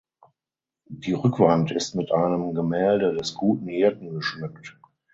Die Rückwand ist mit einem Gemälde des Guten Hirten geschmückt.